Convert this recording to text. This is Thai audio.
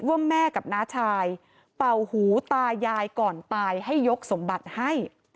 ว่าแม่กับน้าชายเป่าหูตายายก่อนตายให้ยกสมบัติให้